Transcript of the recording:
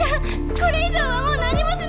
これ以上はもう何もしないで！